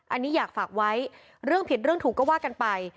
อันนี้อยากฝากไว้เรื่องผิดเรื่องถูกก็ว่ากันไป